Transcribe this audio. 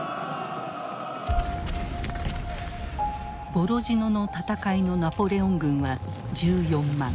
ボロジノの戦いのナポレオン軍は１４万。